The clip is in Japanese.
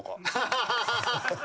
ハハハハハ。